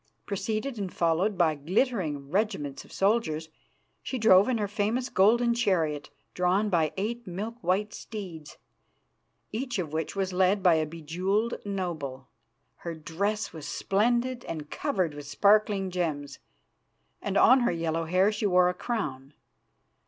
Preceded and followed by glittering regiments of soldiers, she drove in her famous golden chariot, drawn by eight milk white steeds, each of which was led by a bejewelled noble. Her dress was splendid and covered with sparkling gems, and on her yellow hair she wore a crown.